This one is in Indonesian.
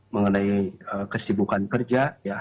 mengenai kesibukan kerja ya